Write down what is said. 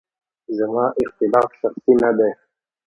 زما اختلاف شخصي نه دی.